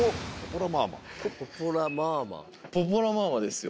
ポポラマーマですよ。